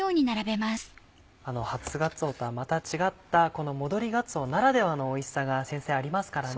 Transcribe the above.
初がつおとはまた違ったこの戻りがつおならではのおいしさが先生ありますからね。